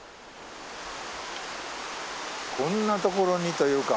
こんなところにというか。